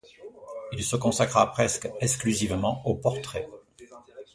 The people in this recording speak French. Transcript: Il se consacra presque exclusivement au portrait.